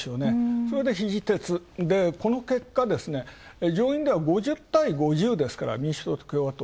それで肘鉄、でこの結果、上院では５０対５０ですから、民主党と共和党。